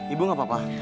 ibu gak apa apa